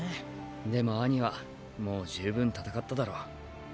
でもアニはもう十分戦っただろ。